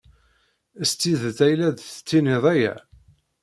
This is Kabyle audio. S tidet ay la d-tettiniḍ aya?